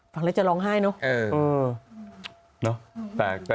ฝั่งในจะร้องไห้เนอะ